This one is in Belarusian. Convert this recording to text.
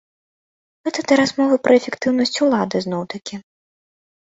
Гэта да размовы пра эфектыўнасць улады зноў-такі.